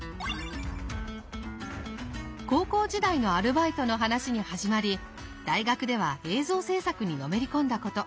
高校時代のアルバイトの話に始まり大学では映像制作にのめり込んだこと。